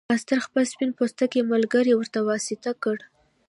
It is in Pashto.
ماسیر خپل سپین پوستی ملګری ورته واسطه کړ.